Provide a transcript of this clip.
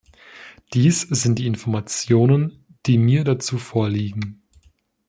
Dies sind die Informationen, die mir dazu vorliegen.